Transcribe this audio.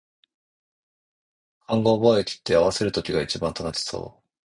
勘合貿易って、合わせる時が一番楽しそう